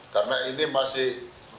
karena ini masih